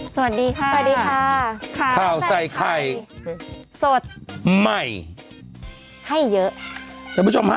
สวัสดีค่ะสวัสดีค่ะข้าวใส่ไข่สดใหม่ให้เยอะท่านผู้ชมฮะ